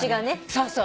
そうそう。